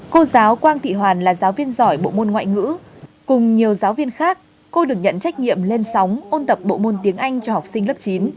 cô giáo quang thị hoàn là giáo viên giỏi bộ môn ngoại ngữ cùng nhiều giáo viên khác cô được nhận trách nhiệm lên sóng ôn tập bộ môn tiếng anh cho học sinh lớp chín